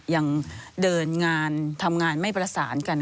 ยังเดินงานทำงานไม่ประสานกัน